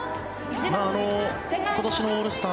今年のオールスター